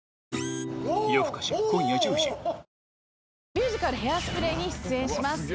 ミュージカル、ヘアスプレーに出演します。